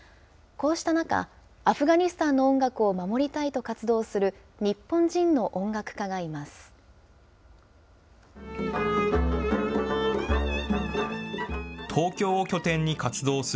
こうした中、アフガニスタンの音楽を守りたいと活動する日本人の音楽家がいます。